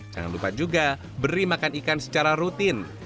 jangan lupa juga beri makan ikan secara rutin